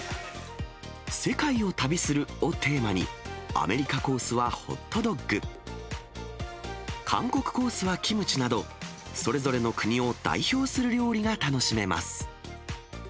世界を旅するをテーマに、アメリカコースはホットドッグ、韓国コースはキムチなど、それぞれの国を代表する料理が楽しめます。